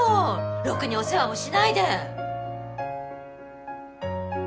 ろくにお世話もしないで